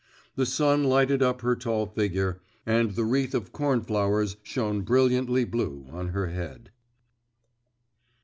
The sun lighted up her tall figure, and the wreath of cornflowers shone brilliantly blue on her head.